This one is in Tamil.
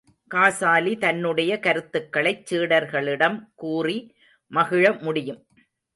காசாலி, தன்னுடைய கருத்துக்களைச் சீடர்களிடம் கூறி மகிழ முடியும்.